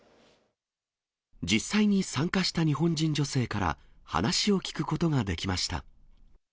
実際に参加した日本人女性から話を聞くことができました。